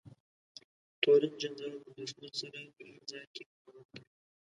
تورن جنرال د دښمن سره په هر ځای کې مقاومت کوي.